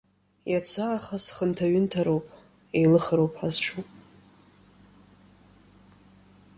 Иацаахыс хынҭаҩынҭароуп, еилыхароуп ҳазҿу.